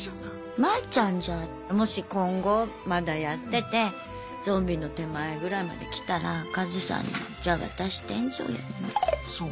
マイちゃんじゃあもし今後まだやっててゾンビの手前ぐらいまで来たらカズさんにじゃあそう。